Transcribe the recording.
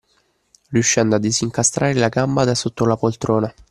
Riuscendo a disincastrare la gamba da sotto la poltrona.